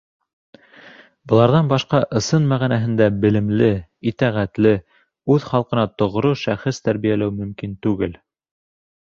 Быларҙан башҡа ысын мәғәнәһендә белемле, итәғәтле, үҙ халҡына тоғро ШӘХЕС тәрбиәләү мөмкин түгел.